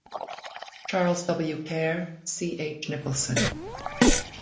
Charles W. Kerr, C. H. Nicholson.